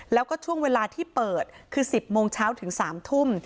แล้วก็ช่วงเวลาที่เปิดคือ๑๐โมงเช้าถึง๓ทุ่ม